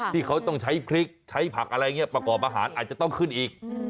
ที่เขาต้องใช้พริกใช้ผักอะไรอย่างนี้ประกอบอาหารอาจจะต้องขึ้นอีก